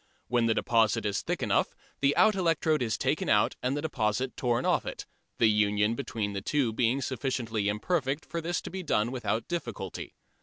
When the deposit is thick enough the out electrode is taken out and the deposit torn off it, the union between the two being sufficiently imperfect for this to be done without difficulty.